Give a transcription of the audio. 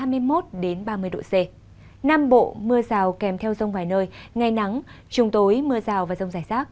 đà nẵng đến bình thuận đêm mưa rào kèm rông vài nơi ngày nắng chiều tối mưa rào và rông giải sát